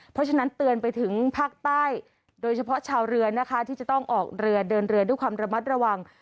เพราะฉะนั้นเตือนไปถึงภาคใต้โดยเฉพาะชาวเรือนะคะที่จะต้องออกเรือเดินเรือด้วยความระมัดระวัง